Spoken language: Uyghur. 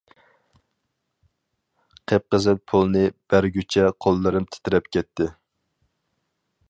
قىپقىزىل پۇلنى بەرگۈچە قوللىرىم تىترەپ كەتتى.